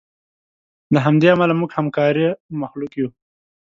له همدې امله موږ همکاره مخلوق یو.